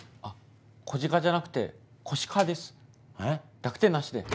濁点なしで。